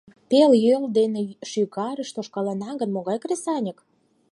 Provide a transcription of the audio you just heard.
Пел йол дене шӱгарыш тошкалынна гын, могай кресаньык.